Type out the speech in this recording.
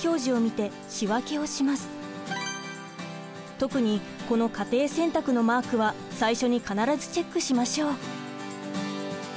特にこの家庭洗濯のマークは最初に必ずチェックしましょう。